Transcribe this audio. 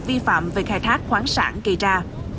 vi phạm về khai thác khoáng sản kỳ tra